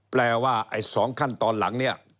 แปลว่าไอ้๒ขั้นตอนหลังเนี่ย